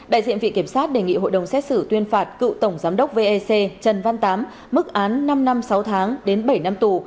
đại diện vị kiểm sát đề nghị hội đồng xét xử tuyên phạt cựu tổng giám đốc vec trần văn tám mức án năm năm sáu tháng đến bảy năm tù